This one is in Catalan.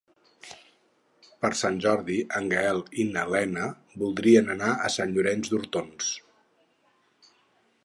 Per Sant Jordi en Gaël i na Lena voldrien anar a Sant Llorenç d'Hortons.